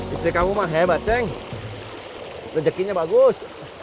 istri kamu mah hebat ceng rejekinya bagus